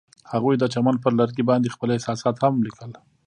هغوی د چمن پر لرګي باندې خپل احساسات هم لیکل.